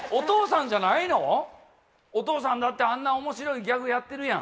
お父さんだってあんな面白いギャグやってるやん。